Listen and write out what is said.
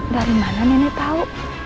dari mana nenek tahu